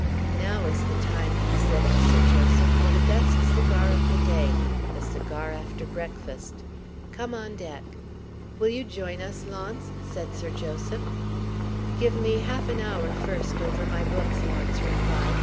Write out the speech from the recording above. "Now is the time," he said to Sir Joseph, "for the best cigar of the day the cigar after breakfast. Come on deck." "You will join us, Launce?" said Sir Joseph. "Give me half an hour first over my books," Launce replied.